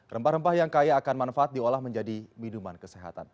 rempah rempah yang kaya akan manfaat diolah menjadi minuman kesehatan